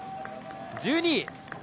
１２位。